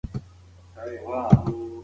د ټولنیز بدلون لاملونه وڅېړئ.